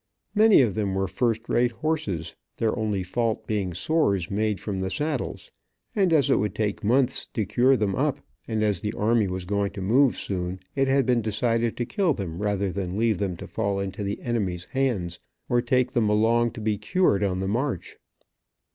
Many of them were first rate horses, their only fault being sores made from the saddles, and as it would take months to cure them up, and as the army was going to move soon, it had been decided to kill them rather than leave them to fall into the enemy's hands, or take them along to be cured on the march.